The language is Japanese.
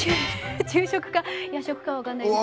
昼食か夜食かは分かんないですけど。